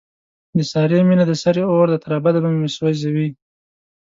د سارې مینه د سرې اورده، تر ابده به مې سو ځوي.